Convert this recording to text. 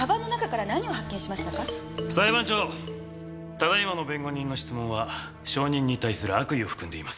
ただ今の弁護人の質問は証人に対する悪意を含んでます。